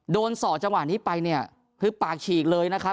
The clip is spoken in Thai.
ส่อจังหวะนี้ไปเนี่ยคือปากฉีกเลยนะครับ